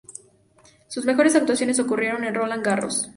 Sus mejores actuaciones ocurrieron en Roland Garros.